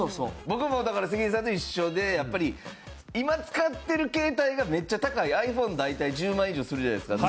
僕もだから関根さんと一緒でやっぱり今使ってる携帯がめっちゃ高いｉＰｈｏｎｅ大体１０万以上するじゃないですか。